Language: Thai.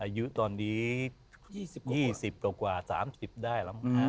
อายุตอนนี้๒๐๒๐กว่า๓๐ได้แล้วมั้ง